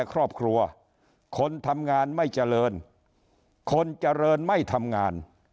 ครอบครัวคนทำงานไม่เจริญคนเจริญไม่ทำงาน